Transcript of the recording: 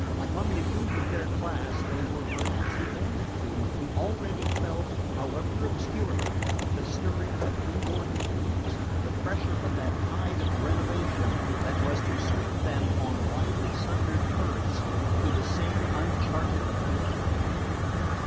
Among the youth of their class they were perhaps the only two who already felt, however obscurely, the stirring of unborn ideals, the pressure of that tide of renovation that was to sweep them, on widely sundered currents, to the same uncharted deep.